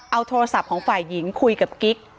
เอาโทรศัพท์ของฝ่ายหญิงคุยกับกิ๊ก